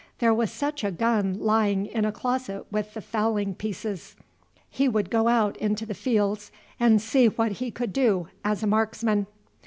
There was such a gun lying in a closet with the fowling pieces. He would go out into the fields and see what he could do as a marksman.